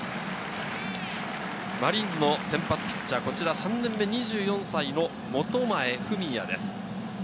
マリーンズの先発ピッチャーは３年目２４歳の本前郁也です。